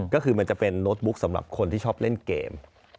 ก็คือมันจะเป็นโน้ตบุ๊กสำหรับคนที่ชอบเล่นเกม